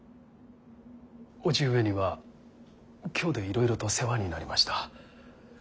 叔父上には京でいろいろと世話になりました。